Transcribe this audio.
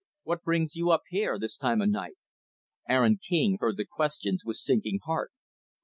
What brings you up here, this time of night?" Aaron King heard the questions with sinking heart.